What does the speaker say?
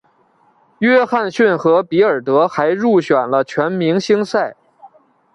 约翰逊和比尔德还入选了全明星赛。